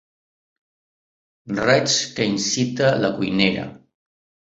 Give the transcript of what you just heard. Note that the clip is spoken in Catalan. Reig que incita la cuinera.